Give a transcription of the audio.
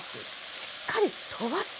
しっかりとばすと。